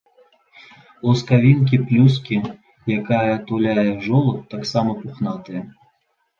Лускавінкі плюскі, якая атуляе жолуд, таксама пухнатыя.